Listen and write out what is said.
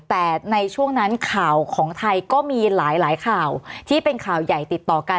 แต่ในช่วงนั้นข่าวของไทยก็มีหลายข่าวที่เป็นข่าวใหญ่ติดต่อกัน